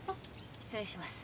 失礼します。